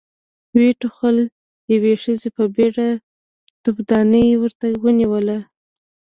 ويې ټوخل، يوې ښځې په بيړه توفدانۍ ورته ونېوله.